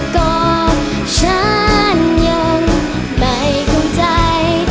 ก็ฉันยังไม่เข้าใจ